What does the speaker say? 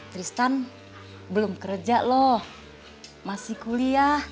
tristan belum kerja loh masih kuliah